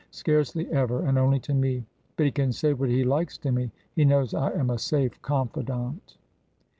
scarcely ever, and only to me. But he can say what he likes to me; he knows I am a safe confidante."